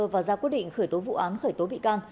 và ra quyết định khởi tố vụ án khởi tố bị can